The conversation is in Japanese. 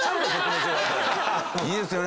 「いいですよね